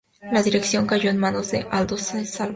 La dirección cayó en manos de Aldo Salvini.